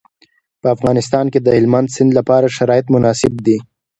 په افغانستان کې د هلمند سیند لپاره شرایط مناسب دي.